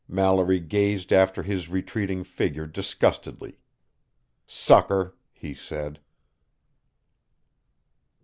Mallory gazed after his retreating figure disgustedly. "Sucker!" he said.